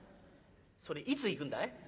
「それいつ行くんだい？」。